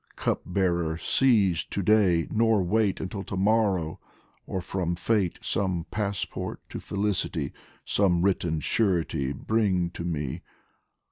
Cup bearer, seize to day, nor wait Until to morrow ! or from Fate Some passport to felicity, Some written surety bring to me